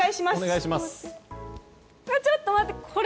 ちょっと待って！